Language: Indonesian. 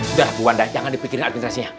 udah bu wanda jangan dipikirin administrasinya